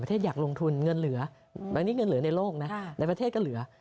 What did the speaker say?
อยากลงทุนเงินเหลือวันนี้เงินเหลือในโลกนะในประเทศก็เหลือ